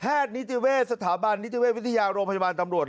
นิติเวชสถาบันนิติเวชวิทยาโรงพยาบาลตำรวจ